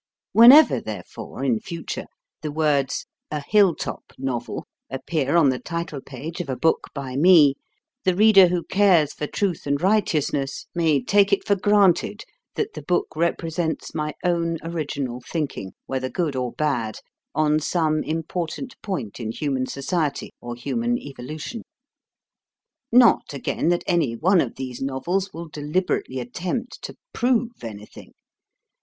Whenever, therefore, in future, the words "A Hill top Novel" appear upon the title page of a book by me, the reader who cares for truth and righteousness may take it for granted that the book represents my own original thinking, whether good or bad, on some important point in human society or human evolution. Not, again, that any one of these novels will deliberately attempt to PROVE anything.